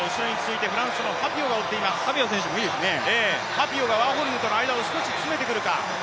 ハピオがワーホルムとの間を詰めてくるか。